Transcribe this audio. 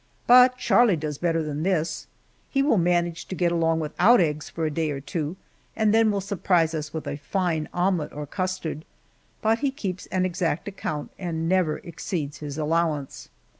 But Charlie does better than this; he will manage to get along without eggs for a day or two, and will then surprise us with a fine omelet or custard. But he keeps an exact account and never exceeds his allowance.